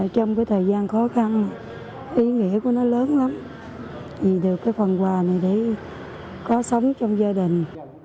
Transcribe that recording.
trong cái thời gian khó khăn ý nghĩa của nó lớn lắm vì được cái phần quà này để có sống trong gia đình